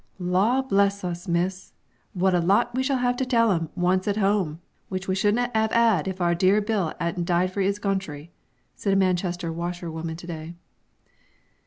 "Law bless us, Miss, what a lot we shall 'ave to tell 'em at 'ome, which we shouldn't 'ave 'ad if our dear Bill 'adn't died for 'is country!" said a Manchester washerwoman to day.